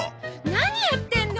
何やってんの！